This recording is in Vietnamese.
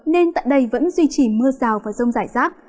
nên tại đây vẫn duy trì mưa rào và rông rải rác